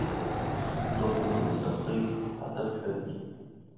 دښمن د تخریب هدف لري